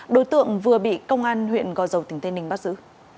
đối tượng vừa bị công an huyện gò dầu tỉnh tây ninh bắt giữ